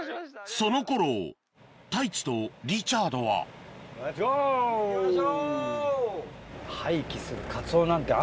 その頃太一とリチャードは行きましょ！